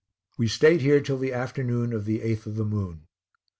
We stayed here till the afternoon of the 8th of the moon.